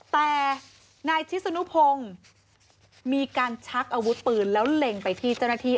แต่นายชิศนุพงศ์มีการชักอาวุธปืนแล้วเล็งไปที่เจ้าหน้าที่